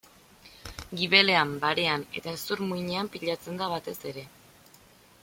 Gibelean, barean eta hezur-muinean pilatzen da batez ere.